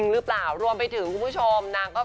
และไปถึงของคุณผู้ชม